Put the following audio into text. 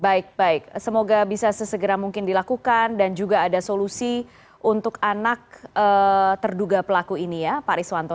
baik baik semoga bisa sesegera mungkin dilakukan dan juga ada solusi untuk anak terduga pelaku ini ya pak riswanto